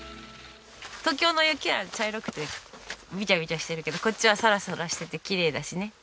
東京の雪は茶色くてビチャビチャしてるけどこっちはサラサラしててきれいだしね。